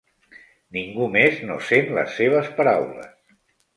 Ningú més no sent les seves paraules.